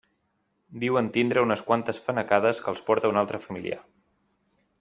Diuen tindre unes quantes fanecades que els porta un altre familiar.